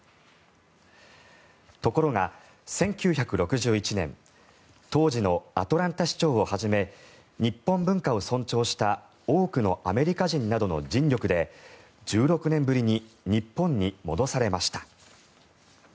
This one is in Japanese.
ところが、１９６１年当時のアトランタ市長をはじめ日本文化を尊重した多くのアメリカ人などの尽力で１６年ぶりに日本に戻されました。